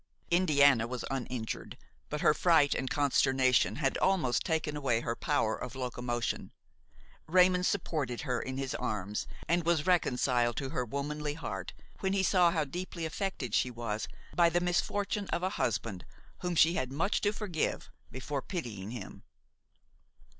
Indiana was uninjured, but her fright and consternation had almost taken away her power of locomotion. Raymon supported her in his arms and was reconciled to her womanly heart when he saw how deeply affected she was by the misfortune of a husband whom she had much to forgive before pitying him.